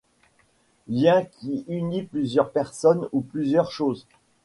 Lien qui unit plusieurs personnes ou plusieurs choses.